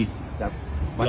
dạ quán lẩu